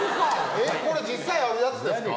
えこれ実際あるやつですか？